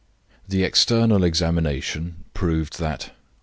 The external examination proved that: "1.